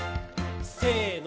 せの。